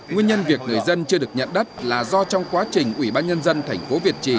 nguyên nhân việc người dân chưa được nhận đất là do trong quá trình ủy ban nhân dân thành phố việt trì